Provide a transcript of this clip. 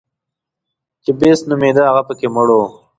چې بېسټ نومېده هغه پکې مړ و.